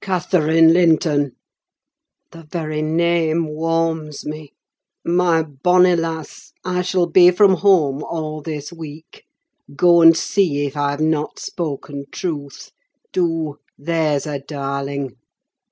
Catherine Linton (the very name warms me), my bonny lass, I shall be from home all this week; go and see if I have not spoken truth: do, there's a darling!